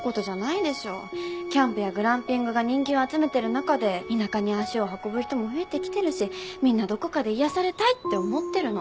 キャンプやグランピングが人気を集めてる中で田舎に足を運ぶ人も増えてきてるしみんなどこかで癒やされたいって思ってるの。